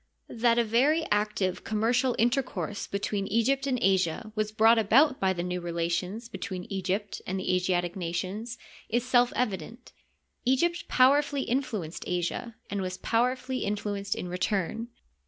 That a very active commercial intercourse between Egypt and Asia was brought about by the new relations between Egypt and the Asiatic nations is self evident. Egypt powerfully influenced Asia, and was powerfully in fluenced in return.